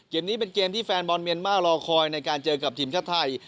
เกมนี้เป็นเกมที่แฟนบอลเมียนมาร์รอคอยในการเจอกับทีมชาติไทย